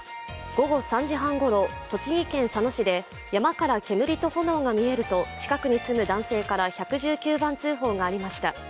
午後３時半ごろ、栃木県佐野市で山から煙と炎が見えると近くに住む男性から１１９番通報がありました。